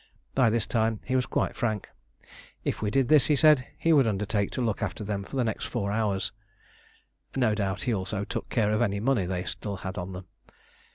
By this time he was quite frank. If we did this, he said, he would undertake to look after them for the next four hours. (No doubt he also took care of any money they still had on them.)